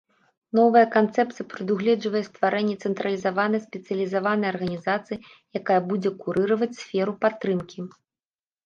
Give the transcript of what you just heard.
Новая канцэпцыя прадугледжвае стварэнне цэнтралізаванай спецыялізаванай арганізацыі, якая будзе курыраваць сферу падтрымкі.